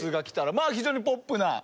まあ非常にポップな。